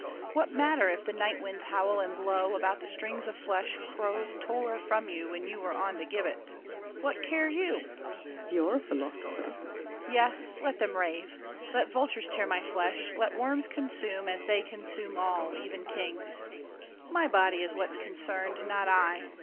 What matter if the night winds howl and blow About the strings of flesh crows tore from you When you were on the gibbet? What care you? SAVERNY. You're a philosopher. DIDIER. Yes, let them rave. Let vultures tear my flesh, let worms consume, As they consume all, even kings; my body Is what's concerned, not I.